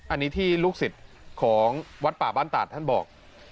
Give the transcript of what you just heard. อันนี้ที่ลูกศิษย์ของวัดป่าบ้านตาดท่านบอก